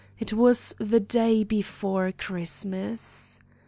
It was the day before Christmas.